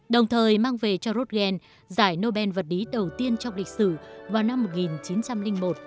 đồng thời mang về cho ruel giải nobel vật lý đầu tiên trong lịch sử vào năm một nghìn chín trăm linh một